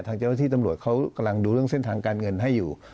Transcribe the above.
ทางเจ้าหน้าที่ตำรวจเขากำลังดูเรื่องเส้นทางการเงินให้อยู่